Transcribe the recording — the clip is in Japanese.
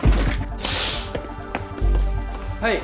はい。